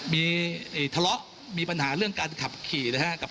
มีทะเลาะมีปัญหาเรื่องการขับขี่นะครับ